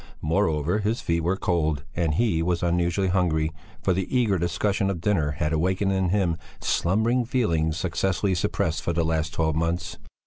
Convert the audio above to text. Moreover, his feet were cold and he was unusually hungry, for the eager discussion of dinner had awakened in him slumbering feelings successfully suppressed for the last twelve months.